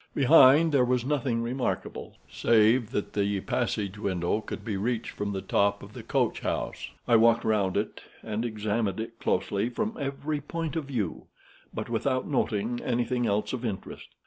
Behind there was nothing remarkable, save that the passage window could be reached from the top of the coach house. I walked round it and examined it closely from every point of view, but without noting anything else of interest.